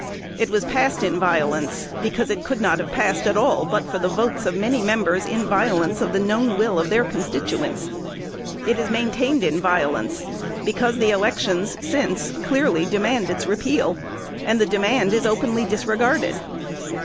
It was passed in violence, because it could not have passed at all but for the votes of many members in violence of the known will of their constituents. It is maintained in violence, because the elections since clearly demand its repeal; and the demand is openly disregarded.